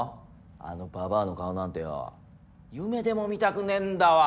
あのババアの顔なんてよぉ夢でも見たくねえんだわ。